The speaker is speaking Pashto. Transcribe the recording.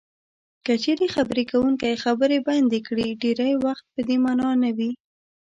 که چېرې خبرې کوونکی خبرې بندې کړي ډېری وخت په دې مانا نه وي.